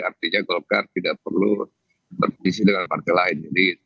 artinya golkar tidak perlu berdisi dengan partai lain